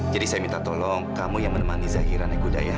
jadi saya minta tolong kamu yang menemani zahira naik kuda ya